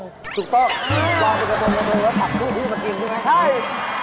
ถอดผิวคุ้ยไปกินไหมครับ